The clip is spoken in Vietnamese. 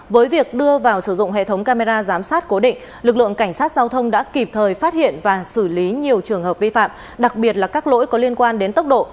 với việc đưa vào sử dụng hệ thống camera giám sát cố định lực lượng cảnh sát giao thông đã kịp thời phát hiện và xử lý nhiều trường hợp vi phạm đặc biệt là các lỗi có liên quan đến tốc độ